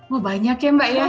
wah banyak ya mbak ya